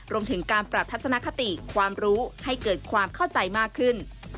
รวมถึงการปรับทัศนคติความรู้ให้เกิดความเข้าใจมากขึ้น